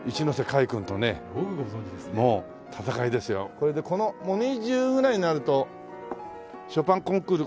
それでこのもう２０ぐらいになるとショパンコンクール